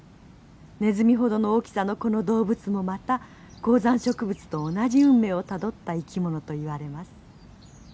ネズミほどの大きさのこの動物もまた高山植物と同じ運命をたどった生き物といわれます。